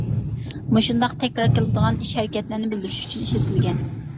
مۇشۇنداق تەكرار كېلىدىغان ئىش-ھەرىكەتلەرنى بىلدۈرۈش ئۈچۈن ئىشلىتىلگەن.